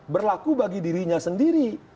berlaku bagi dirinya sendiri